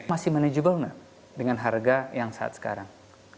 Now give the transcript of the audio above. masih manageable nggak dengan harga yang saat sekarang